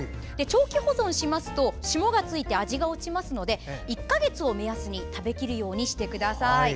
長期保存しますと霜がついて味が落ちますので１か月を目安に食べきるようにしてください。